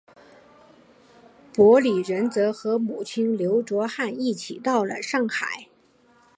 傅履仁则和母亲刘倬汉一起到了上海。